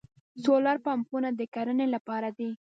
سولر پمپونه د کرنې لپاره دي.